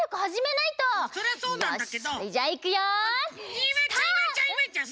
ゆめちゃんゆめちゃんゆめちゃん